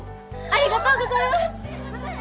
ありがとうございます。